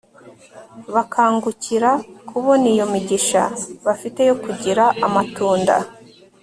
bakangukira kubona iyo migisha bafite yo kugira amatunda